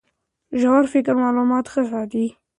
ژور فکر معلومات ښه ساتي.